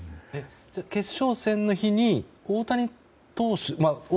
決勝戦の日に大谷選手が。